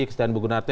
kesediaan ibu gunarti